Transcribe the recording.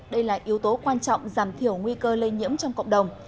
đây là yếu tố quan trọng giảm thiểu nguy cơ lây nhiễm trong cộng đồng